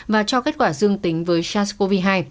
và cho kết quả dương tính với sars cov hai